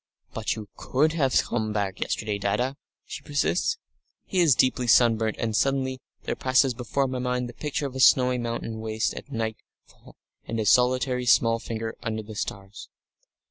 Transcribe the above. "But you could have come back yesterday, Dadda," she persists. He is deeply sunburnt, and suddenly there passes before my mind the picture of a snowy mountain waste at night fall and a solitary small figure under the stars....